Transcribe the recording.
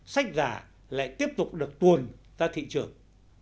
sách giả lại tiếp tục được tuồn ra thị trường